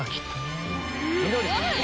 緑！